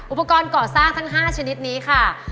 อุปกรณ์ก่อสร้างทั้ง๕ชนิดนี้ค่ะ